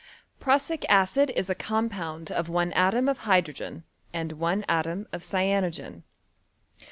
Prussic acid is a com pound of one atom of hydrogen and one atom of cyanogen.